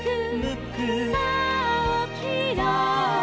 「さあおきろ」